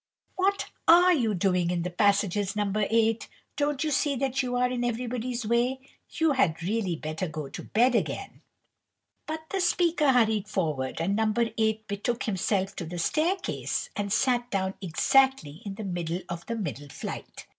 "What are you doing in the passages, No. 8? Don't you see that you are in everybody's way? You had really better go to bed again." But the speaker hurried forward, and No. 8 betook himself to the staircase, and sat down exactly in the middle of the middle flight.